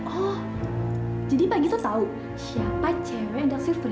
oh jadi pak gito tahu siapa cewek yang taksir frey